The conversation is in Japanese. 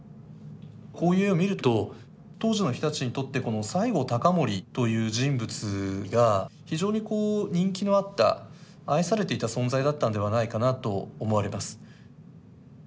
こういう絵を見ると当時の人たちにとってこの西郷隆盛という人物が非常にこう人気のあった愛されていた存在だったんではないかなと思われます。